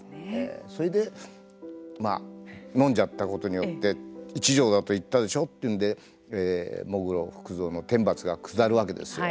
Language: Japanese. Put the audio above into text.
それでのんじゃったことによって１錠だと言ったでしょうというんで喪黒福造の天罰が下るわけですよ。